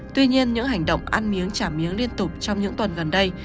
tuy nhiên những hành động ăn miếng trả miếng liên tục trong những tuần gần đây